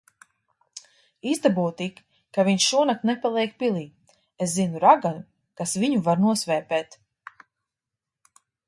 Izdabū tik, ka viņš šonakt nepaliek pilī. Es zinu raganu, kas viņu var nosvēpēt.